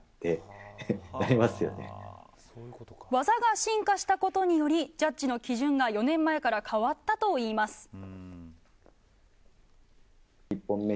技が進化したことによりジャッジの基準が４年前から変わったといいます。